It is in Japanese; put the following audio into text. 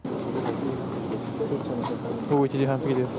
午後１時半過ぎです。